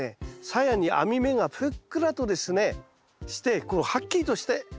さやに網目がふっくらとですねしてこうはっきりとしてたらですね